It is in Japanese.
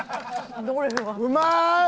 うまーい！